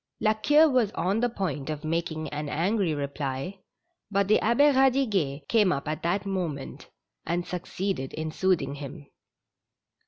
La Queue was on the point of making an angry reply, but the Abbe Eadiguet came up at that moment, and succeeded in soothing him.